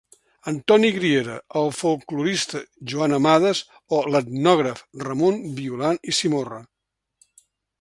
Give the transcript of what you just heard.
Antoni Griera, el folklorista Joan Amades o l'etnògraf Ramon Violant i Simorra.